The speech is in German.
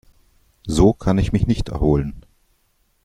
So kann ich mich nicht erholen.